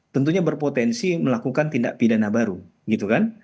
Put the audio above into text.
tentunya berpotensi melakukan tindak pidana baru gitu kan